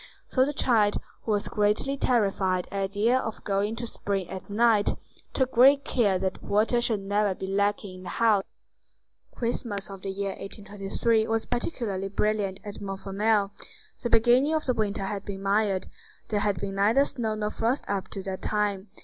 So the child, who was greatly terrified at the idea of going to the spring at night, took great care that water should never be lacking in the house. Christmas of the year 1823 was particularly brilliant at Montfermeil. The beginning of the winter had been mild; there had been neither snow nor frost up to that time.